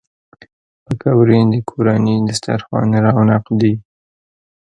پکورې د کورني دسترخوان رونق دي